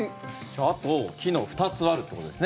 あと機能２つあるってことですね。